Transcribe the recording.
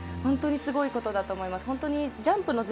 ほんとにすごいことだと思います。